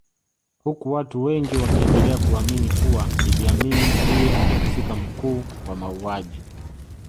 Huku watu wengi wakiendelea kuamini kuwa Idi Amin ndiye mhusika mkuu kwa mauaji